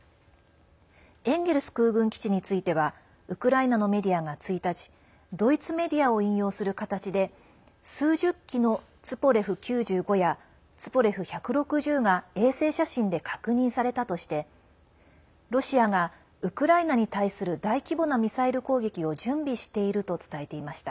エンゲルス空軍基地についてはウクライナのメディアが１日ドイツメディアを引用する形で数十機の「ツポレフ９５」や「ツポレフ１６０」が衛星写真で確認されたとしてロシアがウクライナに対する大規模なミサイル攻撃を準備していると伝えていました。